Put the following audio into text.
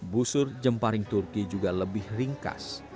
busur jemparing turki juga lebih ringkas